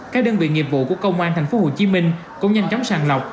các đơn vị nghiệp vụ của công an tp hcm cũng nhanh chóng sàng lọc